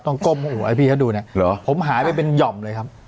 ต้องก้มโหไอ้พี่ให้ดูนะหรอผมหายไปเป็นหย่อมเลยครับ